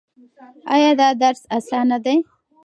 ایا دا درس اسانه دی؟